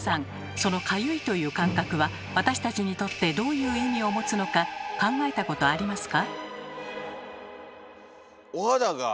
その「かゆい」という感覚は私たちにとってどういう意味を持つのか考えたことありますか？